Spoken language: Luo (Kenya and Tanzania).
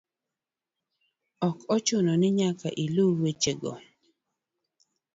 Ok ochuno ni nyaka iluw wechego